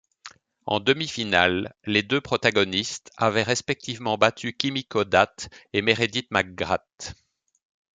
En demi-finale, les deux protagonistes avaient respectivement battu Kimiko Date et Meredith McGrath.